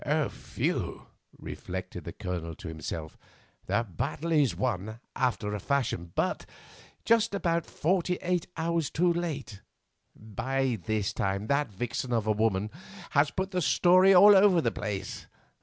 "Phew!" reflected the Colonel to himself, "that battle is won—after a fashion—but just about forty eight hours too late. By this time that vixen of a woman has put the story all over the place.